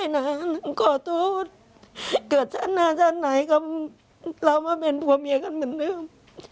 จ้างขอโทษเกิดสั้นหน้าสั้นไหนก็เรามาเป็นผู้วมียกันเหมือนเดิม